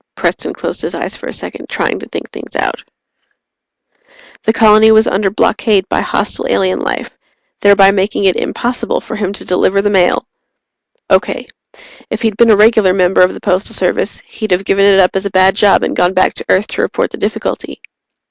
Preston closed his eyes for a second, trying to think things out. The Colony was under blockade by hostile alien life, thereby making it impossible for him to deliver the mail. Okay. If he'd been a regular member of the Postal Service, he'd have given it up as a bad job and gone back to Earth to report the difficulty.